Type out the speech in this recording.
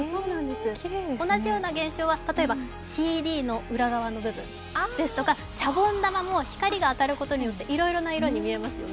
同じような現象は、例えばＣＤの裏側の部分ですとか、シャボン玉も光が当たることによっていろいろな色に見えますよね。